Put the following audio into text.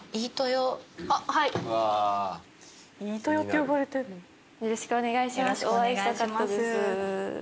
よろしくお願いします。